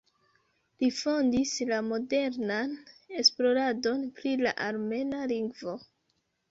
Li fondis la modernan esploradon pri la armena lingvo.